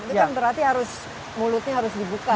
itu kan berarti harus mulutnya harus dibuka